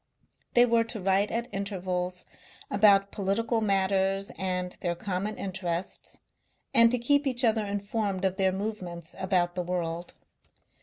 They were to write at intervals about political matters and their common interests, and to keep each other informed of their movements about the world.